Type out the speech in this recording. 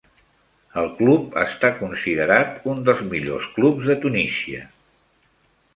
El club està considerat un dels millors clubs de Tunísia.